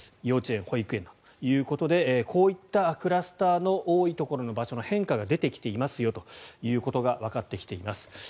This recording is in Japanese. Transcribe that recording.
幼稚園、保育園などということでこういったクラスターの多いところの場所に変化が出てきていますよということがわかってきています。